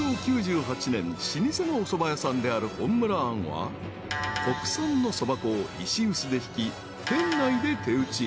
［老舗のおそば屋さんである本むら庵は国産のそば粉を石臼でひき店内で手打ち］